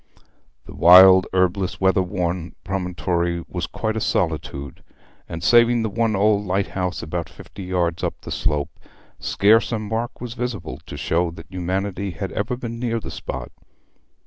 The wild, herbless, weather worn promontory was quite a solitude, and, saving the one old lighthouse about fifty yards up the slope, scarce a mark was visible to show that humanity had ever been near the spot.